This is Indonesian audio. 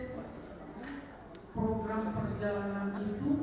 ketika melakukan sit itu